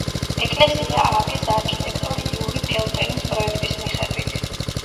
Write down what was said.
ეკლესია ააგეს არქიტექტორ იური ფელტენის პროექტის მიხედვით.